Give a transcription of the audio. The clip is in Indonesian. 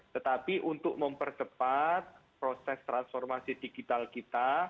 tetapi untuk mempercepat proses transformasi digital kita